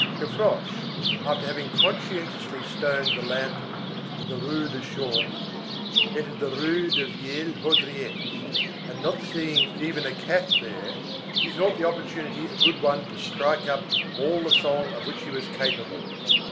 Gavroche, after having conscientiously stoned the lantern in the Rue du Chaume, entered the Rue des Vieilles Haudriettes, and not seeing "even a cat" there, he thought the opportunity a good one to strike up all the song of which he was capable.